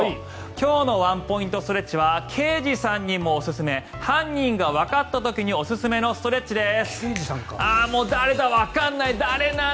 今日のワンポイントストレッチは刑事さんにもおすすめ犯人がわかった時におすすめのストレッチです。